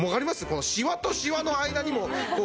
このしわとしわの間にもこう。